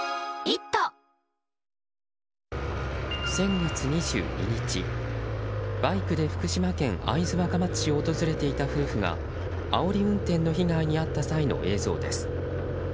先月２２日、バイクで福島県会津若松市を訪れていた夫婦があおり運転の被害に遭った際の映像です。